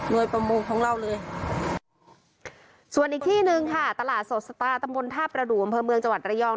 โดยประมงของเราเลยส่วนอีกที่หนึ่งค่ะตลาดสดสตาร์ตำบลท่าประดูกอำเภอเมืองจังหวัดระยอง